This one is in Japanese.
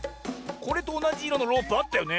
これとおなじいろのロープあったよね。